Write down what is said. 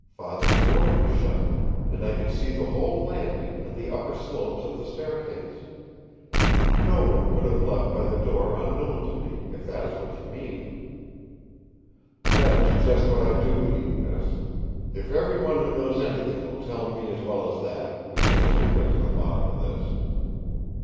Father's door was shut, and I could see the whole landing and the upper slopes of the staircase. No one could have left by the door unknown to me, if that is what you mean!" "That is just what I do mean, miss. If every one who knows anything will tell me as well as that, we shall soon get to the bottom of this."